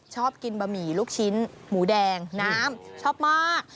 ชอบกินบะหมี่ลูกชิ้นหมูแดงน้ำชอบมาก